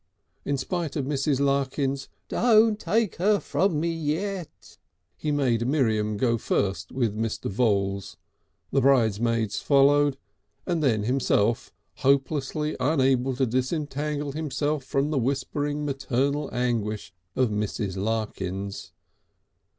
In spite of Mrs. Larkins' "Don't take her from me yet!" he made Miriam go first with Mr. Voules, the bridesmaids followed and then himself hopelessly unable to disentangle himself from the whispering maternal anguish of Mrs. Larkins.